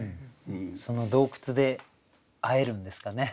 その洞窟で会えるんですかね？